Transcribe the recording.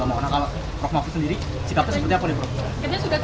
maka prof maaf sendiri sikapnya seperti apa nih prof